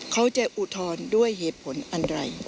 เขาจะอุทธรณ์ด้วยเหตุผลอะไร